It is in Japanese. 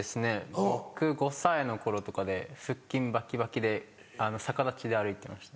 僕５歳の頃とかで腹筋バキバキで逆立ちで歩いてました。